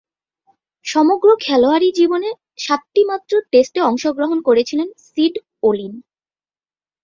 সমগ্র খেলোয়াড়ী জীবনে সাতটিমাত্র টেস্টে অংশগ্রহণ করেছেন সিড ও’লিন।